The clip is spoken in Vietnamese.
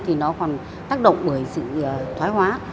thì nó còn tác động bởi sự thoái hóa